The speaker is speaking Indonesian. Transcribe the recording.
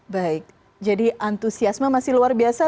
baik jadi antusiasme masih luar biasa